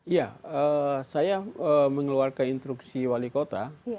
ya saya mengeluarkan instruksi wali kota